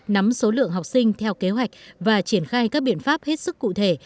nắm số lượng học sinh theo kế hoạch và triển khai các biện pháp hết sức cụ thể